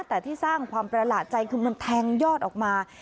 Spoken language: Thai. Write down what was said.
แต่ที่สร้างความประหลาดใจคือมันแทงยอดออกมา